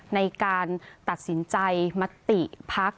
ในการตัดสินใจมติพัก